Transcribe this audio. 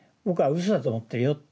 僕はうそだと思ってるよ。